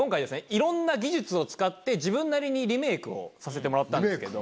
いろんな技術を使って自分なりにリメイクをさせてもらったんですけど。